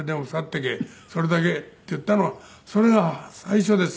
「それだけ」って言ったのがそれが最初です。